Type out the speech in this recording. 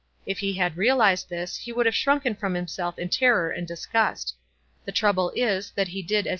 If he had realized this he would have shrunken from himself in ter ror and disgust. The trouble is that he did as 138 WISE AND OTHERWISE.